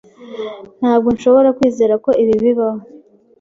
Ntabwo nshobora kwizera ko ibi bibaho.